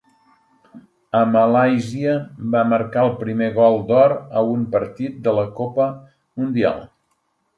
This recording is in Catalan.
A Malàisia va marcar el primer Gol d'Or a un partit de la Copa Mundial.